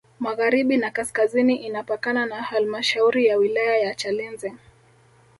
Magharibi na kaskazini inapakana na Halmashauri ya wilaya ya Chalinze